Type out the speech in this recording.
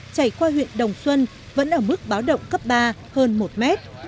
chảy qua huyện đồng xuân vẫn ở mức báo động cấp ba hơn một mét